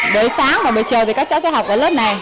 bữa sáng và bữa trời thì các cháu sẽ học ở lớp này